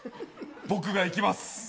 僕が行きます。